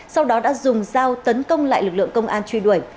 sau đó đã dùng dao tấn công lại lực lượng công an truy đuổi